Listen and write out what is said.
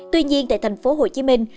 tuy nhiên tại thành phố hồ chí minh